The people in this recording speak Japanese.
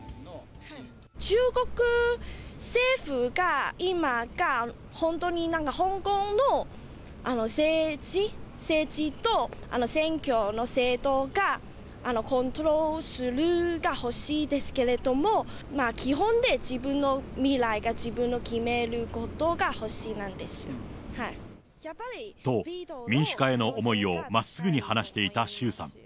中国政府が、今が、本当になんか香港の政治、政治と選挙の制度がコントロールするが欲しいですけれども、基本、自分の未来は自分の決めることが欲しいなんですよ。と、民主化への思いをまっすぐに話していた周さん。